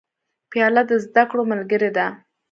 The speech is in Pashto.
پیاله د زده کړو ملګرې ده.